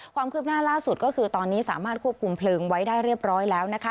ความคืบหน้าล่าสุดก็คือตอนนี้สามารถควบคุมเพลิงไว้ได้เรียบร้อยแล้วนะคะ